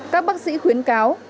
các bác sĩ khuyến cáo